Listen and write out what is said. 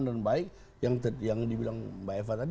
dan baik yang dibilang mbak eva tadi